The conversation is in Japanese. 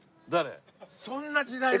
そんな時代なの？